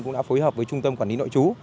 cũng đã phối hợp với trung tâm quản lý nội trú